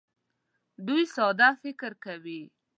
دوی ساده فکر کوي.